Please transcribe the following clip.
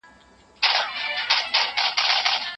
د مور لپاره کافي خوب حیاتي دی.